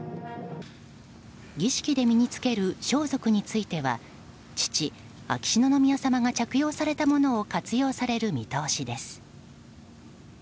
儀式で身に着ける装束については父・秋篠宮さまが着用されたものを活用される見通しです。